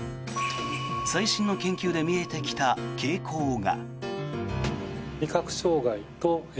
最新の研究で見えてきた傾向が。